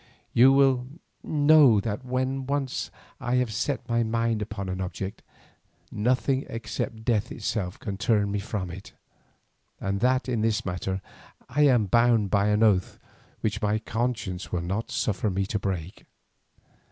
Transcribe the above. You will know that when once I have set my mind upon an object, nothing except death itself can turn me from it, and that in this matter I am bound by an oath which my conscience will not suffer me to break.